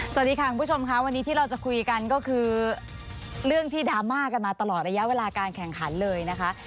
สวัสดีค่ะคุณผู้ชมค่ะวันนี้ที่เราจะคุยกันก็คือเรื่องที่ดราม่ากันมาตลอดระยะเวลาการแข่งขันเลยนะคะ